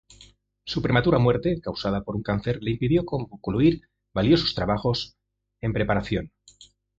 Su prematura muerte, causada por un cáncer, le impidió concluir valiosos trabajos en preparación.